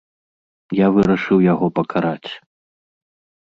Я вырашыў яго пакараць.